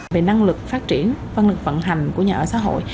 về năng lực phát triển năng lực vận hành của nhà ở xã hội